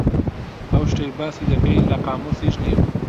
ئەو شتەی باسی دەکەی لە قامووسیش نییە.